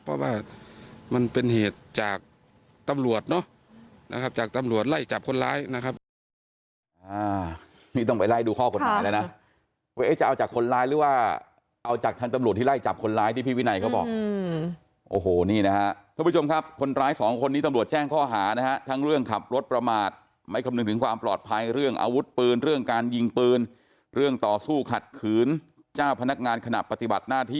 เพราะว่ามันเป็นเหตุจากตำรวจเนอะนะครับจากตำรวจไล่จับคนร้ายนะครับ